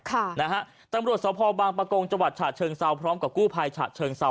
ค่ะนะฮะตำรวจสพบางปะโกงจฉเชิงเซาพร้อมกับกู้ภัยฉเชิงเซา